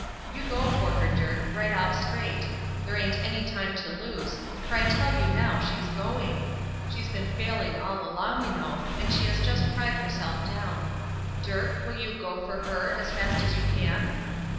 You go for her, Dirk, right off straight. There ain't any time to lose, for I tell you now she's going. She's been failing all along, you know, and she has just cried herself down. Dirk, will you go for her as fast as you can?"